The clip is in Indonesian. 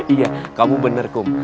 iya kamu bener kum